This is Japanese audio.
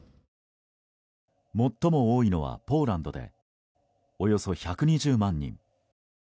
最も多いのはポーランドでおよそ１２０万人。